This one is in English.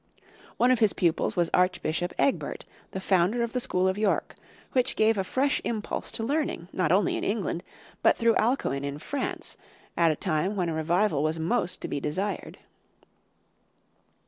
One of his pupils was Archbishop Egbert, the founder of the school of York, which gave a fresh impulse to learning, not only in England, but through Alcuin in France, at a time when a revival was most to be desired.